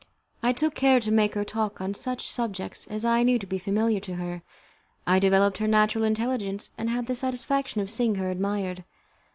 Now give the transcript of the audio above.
I took care to make her talk on such subjects as I knew to be familiar to her. I developed her natural intelligence, and had the satisfaction of seeing her admired.